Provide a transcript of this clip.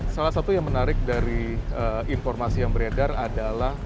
salah satu yang menarik dari informasi yang beredar adalah